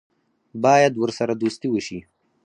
باید ورسره دوستي وشي.